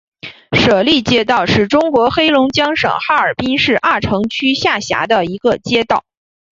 舍利街道是中国黑龙江省哈尔滨市阿城区下辖的一个街道。